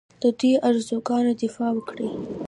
د دوی ارزوګانو دفاع وکړي